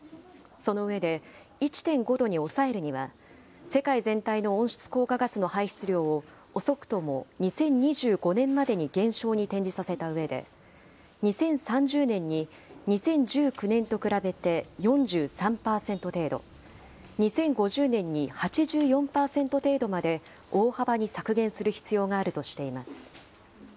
そのうえで１．５度に抑えるには世界全体の温室効果ガスの排出量を遅くとも２０２５年までに減少に転じさせたうえで２０３０年に２０１９年と比べて４３％程度、２０５０年に８４％程度まで大幅に削減する必要があるとしています。